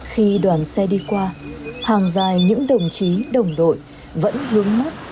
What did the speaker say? khi đoàn xe đi qua hàng dài những đồng chí đồng đội vẫn hướng mắt